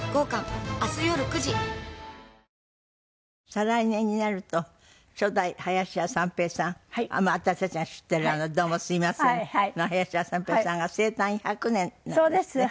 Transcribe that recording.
再来年になると初代林家三平さん私たちが知ってる「どうもすいません」の林家三平さんが生誕１００年なんですね。